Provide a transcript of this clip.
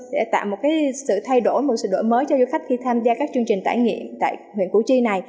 để tạo một sự thay đổi một sự đổi mới cho du khách khi tham gia các chương trình tải nghiệm tại huyện củ chi này